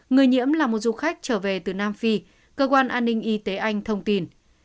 người nhiễm là một du khách trở về từ nam phi cơ quan an ninh y tế anh thông tin